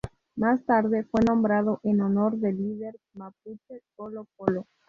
Más tarde fue nombrado en honor del líder mapuche Colo Colo.